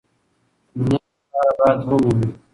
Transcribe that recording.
نوې لاره باید ومومو.